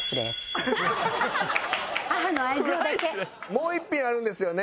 もう一品あるんですよね？